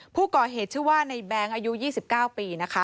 ผู้ก่อเหตุชื่อว่าในแบงค์อายุ๒๙ปีนะคะ